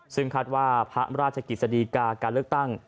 ซึ่งคาดว่าพระราชกิจสดีกาการเลือกตั้ง